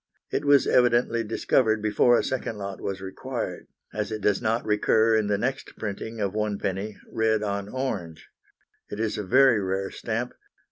It was evidently discovered before a second lot was required, as it does not recur in the next printing of 1d., red on orange. It is a very rare stamp.